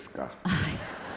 はい。